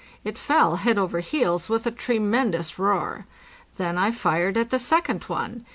It fell head over heels, with a tremendous roar. Then I fired at the second one.